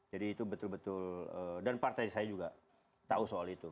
jadi itu betul betul dan partai saya juga tahu soal itu